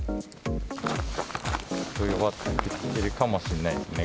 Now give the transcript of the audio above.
ちょっと弱ってきているかもしんないですね。